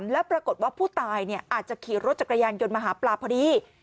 แล้วปรากฏว่าผู้ตายอาจจะขี่รถจักรยานยนต์มาหาปลาพอดี